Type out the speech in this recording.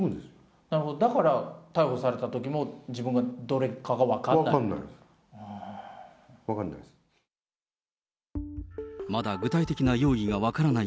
だから逮捕されたときも、自分のどれかが分からない？